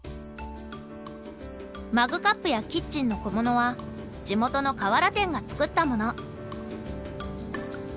マグカップやキッチンの小物は地元の瓦店が作ったもの。